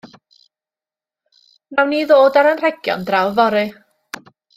Wnawn ni ddod â'r anrhegion draw fory.